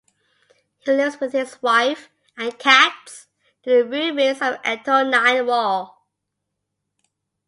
He lives with his wife and cats near the ruins of the Antonine Wall.